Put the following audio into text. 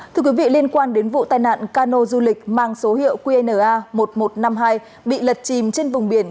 thưa quý vị liên quan đến vụ tai nạn cano du lịch mang số hiệu qna một nghìn một trăm năm mươi hai bị lật chìm trên vùng biển